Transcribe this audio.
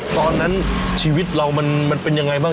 ตอนนั้นชีวิตเรามันเป็นยังไงบ้าง